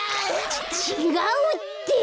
ちちがうって！